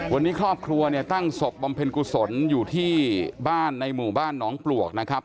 วันนี้ครอบครัวเนี่ยตั้งศพบำเพ็ญกุศลอยู่ที่บ้านในหมู่บ้านหนองปลวกนะครับ